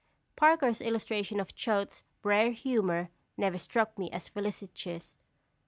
Parker's illustration of Choate's rare humor never struck me as felicitous.